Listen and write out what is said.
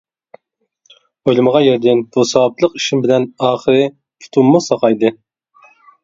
ئويلىمىغان يەردىن بۇ ساۋابلىق ئىشىم بىلەن ئاخىرى پۇتۇممۇ ساقايدى.